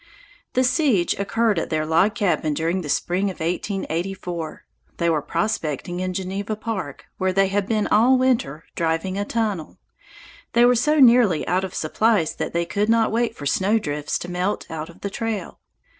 The siege occurred at their log cabin during the spring of 1884. They were prospecting in Geneva Park, where they had been all winter, driving a tunnel. They were so nearly out of supplies that they could not wait for snowdrifts to melt out of the trail.